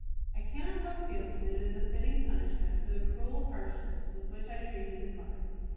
I cannot help feeling that it is a fitting punishment for the cruel harshness with which I treated his mother.